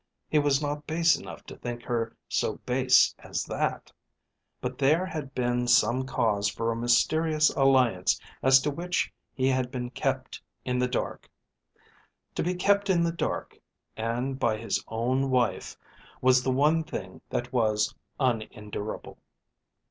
He was not base enough to think her so base as that. But there had been some cause for a mysterious alliance as to which he had been kept in the dark. To be kept in the dark, and by his own wife, was the one thing that was unendurable.